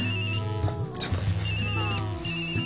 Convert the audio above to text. ちょっとすいません。